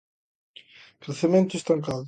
Crecemento estancado